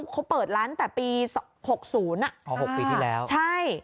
เขาเปิดร้านตั้งแต่ปี๖ศูนย์อ๋อ๖ปีที่แล้วใช่